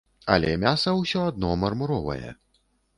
Але мяса ўсё адно мармуровае.